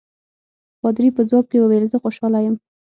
پادري په ځواب کې وویل زه خوشاله یم.